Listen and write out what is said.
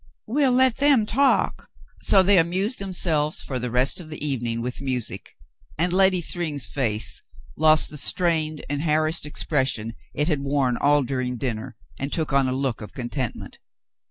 We'll let them talk." So they amused themselves for the rest of the evening with music, and Lady Thryng's face lost the strained and harassed expression it had worn all during dinner, and took on a look of contentment.